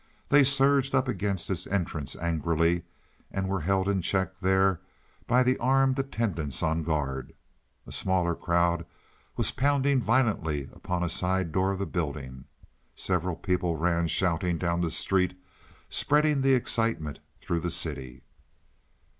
They surged up against its entrance angrily, and were held in check there by the armed attendants on guard. A smaller crowd was pounding violently upon a side door of the building. Several people ran shouting down the street, spreading the excitement through the city.